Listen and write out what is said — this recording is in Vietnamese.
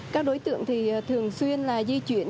các đối tượng thì thường xuyên là di chuyển